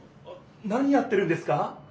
何やってるんですか？